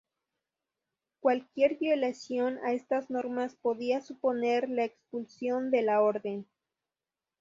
Cualquier violación a estas normas podía suponer la expulsión de la orden.